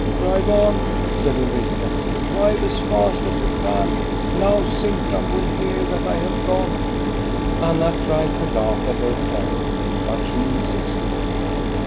"Drive on," said Ulrika; "drive as fast as you can! Now Sintram will hear that I have gone." Anna tried to laugh at her terror, but she insisted.